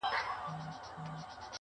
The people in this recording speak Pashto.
چي پر زړه مي د غمونو غوبل راسي!!